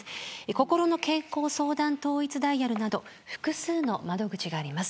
こころの健康相談統一ダイヤルなど複数の窓口があります。